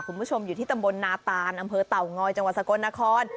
คุณผู้ชมอยู่ที่ตำบลนาตานอำเภอเต่างอยจังหวัดสกลนคร